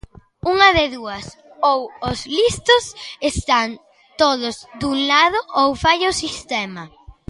Unha de dúas, ou os listos están todos dun lado ou falla o sistema.